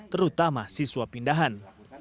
terutama siswa pindahan